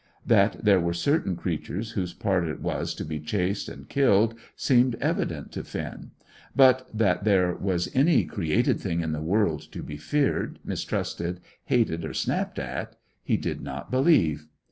That there were certain creatures whose part it was to be chased and killed seemed evident to Finn; but that there was any created thing in the world to be feared, mistrusted, hated, or snapped at, he did not believe.